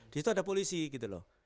disitu ada polisi gitu loh